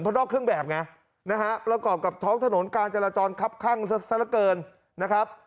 เพราะนอกเครื่องแบบไงนะฮะประกอบกับท้องถนนการจราจรคับข้างซะละเกินนะครับ